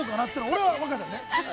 俺は分かるよね。